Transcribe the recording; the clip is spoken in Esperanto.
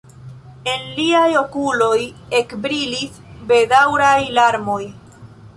En liaj okuloj ekbrilis bedaŭraj larmoj.